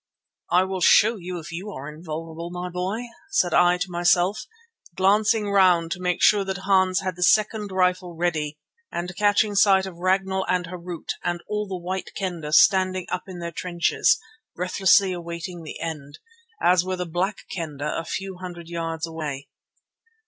"I will show you if you are invulnerable, my boy," said I to myself, glancing round to make sure that Hans had the second rifle ready and catching sight of Ragnall and Harût and all the White Kendah standing up in their trenches, breathlessly awaiting the end, as were the Black Kendah a few hundred yards away.